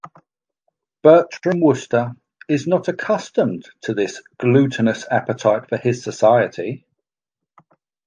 Bertram Wooster is not accustomed to this gluttonous appetite for his society.